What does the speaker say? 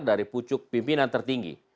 dari pucuk pimpinan tertinggi